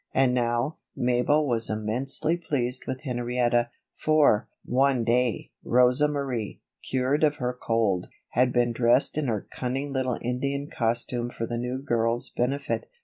And now, Mabel was immensely pleased with Henrietta; for, one day, Rosa Marie, cured of her cold, had been dressed in her cunning little Indian costume for the new girl's benefit.